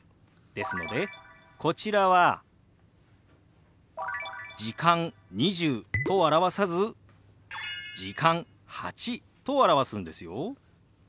ですのでこちらは「時間」「２０」と表さず「時間」「８」と表すんですよ。